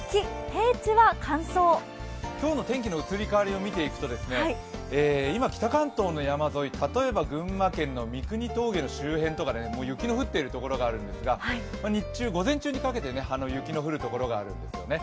今日の天気の移り変わりを見ていくと、今、北関東の山沿い、例えば群馬県の三国峠の周辺とか、雪の降っているところがあるんですが、日中、午前中にかけて雪の降る所があるんですよね。